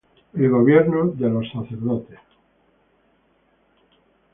El gobierno de los sacerdotes.